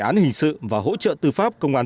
án hình sự và hỗ trợ tư pháp công an